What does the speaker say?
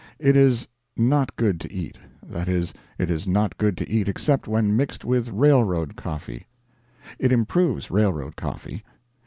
It is not good to eat. That is, it is not good to eat except when mixed with railroad coffee. It improves railroad coffee.